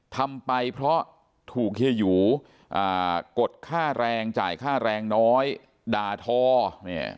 ทำไปเพราะถูกเฮียหยูอ่ากดค่าแรงจ่ายค่าแรงน้อยด่าทอเนี่ย